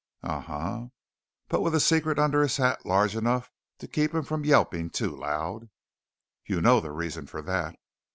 "Uh huh. But with a secret under his hat large enough to keep him from yelping too loud." "You know the reason for that."